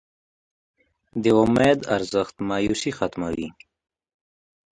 د امید ارزښت مایوسي ختموي.